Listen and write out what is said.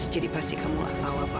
jadi pasti kamu gak tahu apa